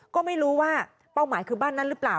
ก็ไม่รู้ว่าเป้าหมายคือบ้านนั้นหรือเปล่า